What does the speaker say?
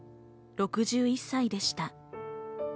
６１歳でした。